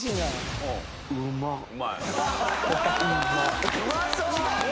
「うまそう！」